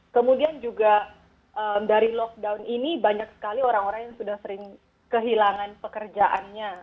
kemudian juga dari lockdown ini banyak sekali orang orang yang sudah sering kehilangan pekerjaannya